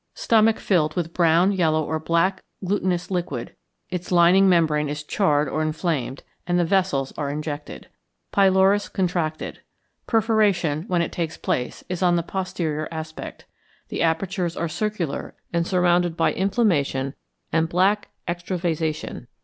Stomach filled with brown, yellow, or black glutinous liquid; its lining membrane is charred or inflamed, and the vessels are injected. Pylorus contracted. Perforation, when it takes place, is on the posterior aspect; the apertures are circular, and surrounded by inflammation and black extravasation.